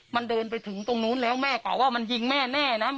มันเดินไปถึงตรงนู้นแล้วแม่กล่าวว่ามันยิงแม่แน่นะ